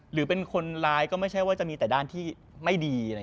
หรือเป็นคนร้ายก็ไม่ใช่ว่าจะมีแต่ด้านที่ไม่ดี